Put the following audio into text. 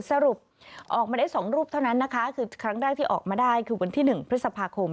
สรุปออกมาได้๒รูปเท่านั้นนะคะคือครั้งแรกที่ออกมาได้คือวันที่๑พฤษภาคม